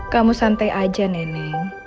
kamu santai aja neneng